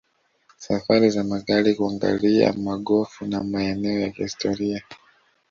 Safari za magari kuangalia magofu na maeneo ya kihistoria